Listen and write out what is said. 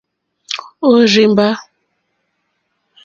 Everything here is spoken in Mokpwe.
Òrzèmbá.